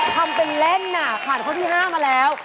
ทำเป็นเล่นน่ะผ่านข้อที่๕มาแล้ว